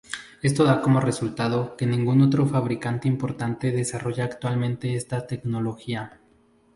Esto da como resultado que ningún otro fabricante importante desarrolla actualmente esta tecnología.